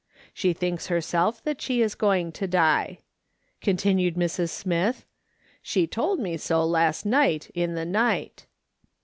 She thinks herself that she is going to die," continued Mrs. Smith ;" she told me so last night, in the night."